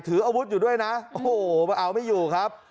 ถืออาวุธอยู่ด้วยนะโอ้โหมาเอาไม่อยู่ครับ